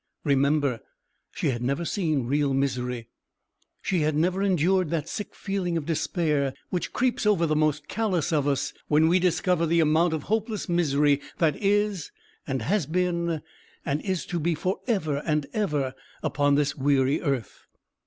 Remember, she had never seen real misery: she had never endured that sick feeling of despair, which creeps over the most callous of us when we discover the amount of hopeless misery that is, and has been, and is to be, for ever and ever upon this weary earth.